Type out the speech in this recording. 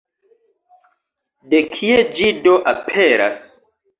De kie ĝi do aperas?